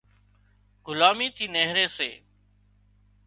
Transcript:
غلامي ٿِي نيهري سي